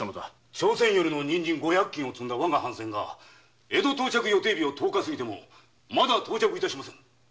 朝鮮より人参を積んだわが藩船が江戸到着予定日を過ぎてもまだ到着致しませぬ。